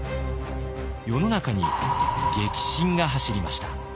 世の中に激震が走りました。